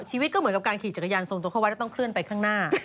ชีวิตก็เหมือนกับการขี่จักรยานส่งตัวเข้าวัดแล้วต้องเคลื่อนไปข้างหน้า